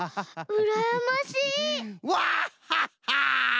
うらやましい？